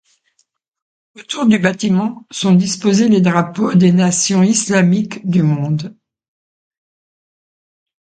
Autour du bâtiment sont disposés les drapeaux des nations Islamiques du monde.